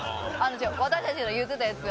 私たちの言ってたやつが。